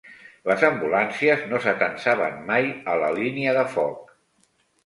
Les ambulàncies no s'atansaven mai a la línia de foc